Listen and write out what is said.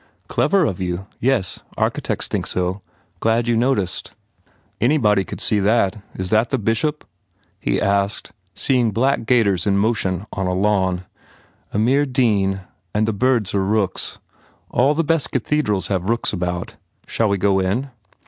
"Clever of you. Yes, architects think so. Glad you noticed." "Anybody could see that. Is that the Bishop ?" 31 THE FAIR REWARDS he asked, seeing black gaiters in motion on a lawn. "A mere dean. And the birds are rooks. All the best cathedrals have rooks about. Shall we go in?"